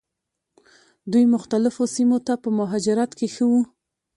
دوی مختلفو سیمو ته په مهاجرت کې ښه وو.